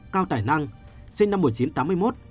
cao tài năng sinh năm một nghìn chín trăm tám mươi một